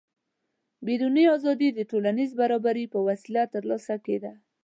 بیروني ازادي د ټولنیز برابري په وسیله ترلاسه کېده.